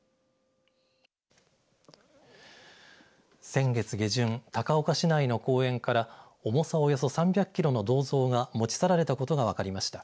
先月下旬、高岡市内の公園から重さおよそ３００キロの銅像が持ち去られたことが分かりました。